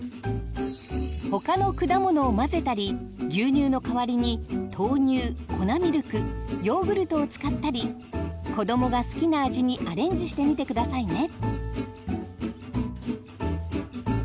他の果物を混ぜたり牛乳の代わりに豆乳粉ミルクヨーグルトを使ったり子どもが好きな味にアレンジしてみて下さいね！